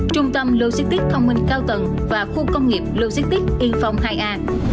trung tâm logistics thông minh cao tầng và khu công nghiệp logistics tiên phong hai a